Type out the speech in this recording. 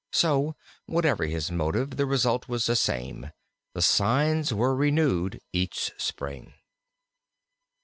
So, whatever his motive, the result was the same: the signs were renewed each spring.